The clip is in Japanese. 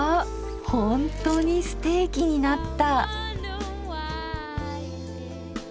ほんとにステーキになった。